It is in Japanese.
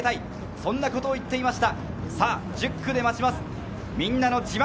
そんなこと言っていました。